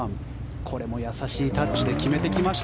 これも優しいタッチで決めてきました。